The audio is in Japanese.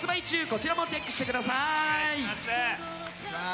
こちらもチェックしてください。